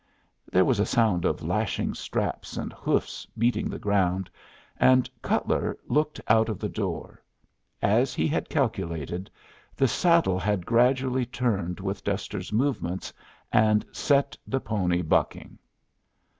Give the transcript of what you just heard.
There was a sound of lashing straps and hoofs beating the ground, and Cutler looked out of the door. As he had calculated, the saddle had gradually turned with Duster's movements and set the pony bucking.